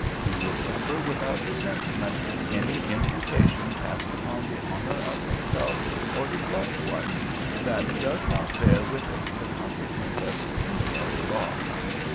He will suffer without resentment any imputation cast upon the honor of himself or his loved ones that does not bear with it the consequence of pecuniary loss.